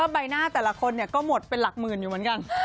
ใบหน้าแต่ละคนก็หมดเป็นหลักหมื่นอยู่เหมือนกัน